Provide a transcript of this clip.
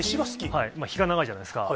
日が長いじゃないですか。